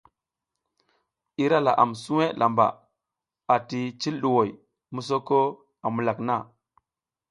Ira laʼam suwe lamba ati cil ɗuhoy misoko a mukak na.